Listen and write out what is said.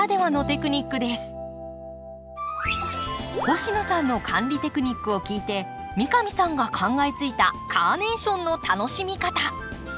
星野さんの管理テクニックを聞いて三上さんが考えついたカーネーションの楽しみ方。